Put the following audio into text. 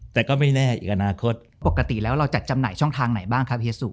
แต่ก็ไม่แน่อีกอนาคตปกติแล้วเราจัดจำหน่ายช่องทางไหนบ้างครับเฮียสุ